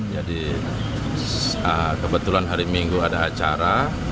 jadi kebetulan hari minggu ada acara